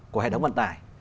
của hệ thống vận tải